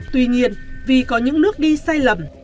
tuy nhiên vì có những nước đi sai lầm